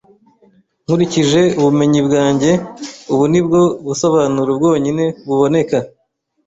Nkurikije ubumenyi bwanjye, ubu ni bwo busobanuro bwonyine buboneka.